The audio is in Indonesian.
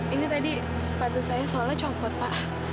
ini tadi sepatu saya soalnya copot pak